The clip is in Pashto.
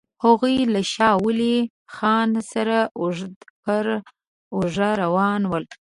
هغوی له شاه ولي خان سره اوږه پر اوږه روان ول.